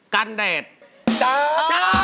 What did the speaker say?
กันเดช